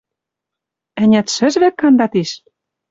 Ӓнят, шӹжвӹк канда тиш?